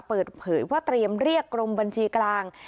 เปิดเผยว่าเตรียมเรียกกรมบัญชีกลาง